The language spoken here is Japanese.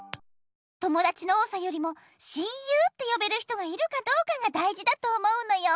ともだちの多さよりも親友ってよべる人がいるかどうかがだいじだと思うのよ。